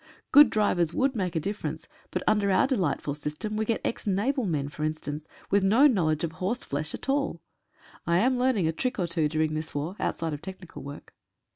Good drivers would make a difference, but under our delightful system we get ex naval men, for instance, with no knowledge of horseflesh at all. I am learning a trick or two during this war, outside of tech nical work.